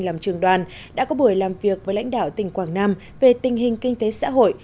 làm trường đoàn đã có buổi làm việc với lãnh đạo tỉnh quảng nam về tình hình kinh tế xã hội